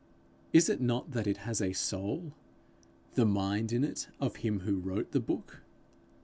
Is it not that it has a soul the mind in it of him who wrote the book?